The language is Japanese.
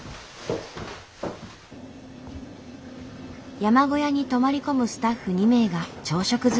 山小屋に泊まり込むスタッフ２名が朝食作り。